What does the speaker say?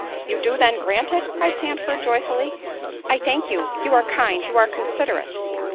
"You do then grant it?" cried Sandford joyfully; "I thank you—you are kind—you are considerate."